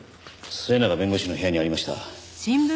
末永弁護士の部屋にありました。